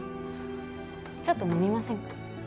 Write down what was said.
ちょっと飲みませんか？